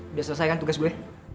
udah selesai kan tugas gue